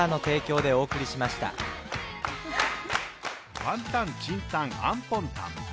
ワンタンチンタンアンポンタン。